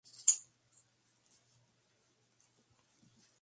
Se caracterizan por la disposición de sus seis hileras en una fila transversal.